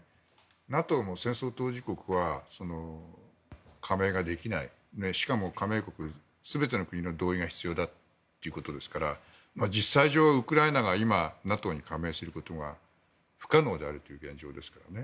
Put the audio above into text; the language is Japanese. ＮＡＴＯも戦争当事国は加盟ができないしかも、加盟国全ての国の同意が必要だということですから実際上はウクライナが今、ＮＡＴＯに加盟することが不可能であるという現状ですからね。